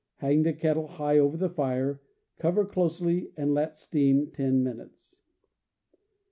Hang the kettle high over the fire, cover closely, and let steam ten minutes.